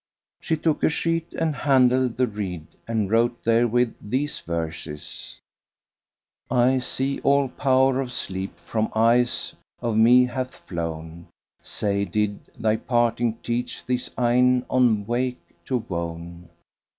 She took a sheet and handled the reed and wrote therewith these verses, "I see all power of sleep from eyes of me hath flown; * Say, did thy parting teach these eyne on wake to wone?